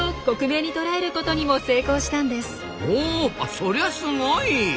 そりゃすごい！